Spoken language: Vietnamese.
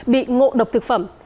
bị ngộ độc thực phẩm